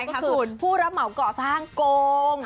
ก็คือผู้รับเหมาเกาะสระห้างโกง